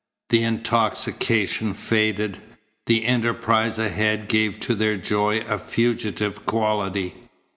The intoxication faded. The enterprise ahead gave to their joy a fugitive quality.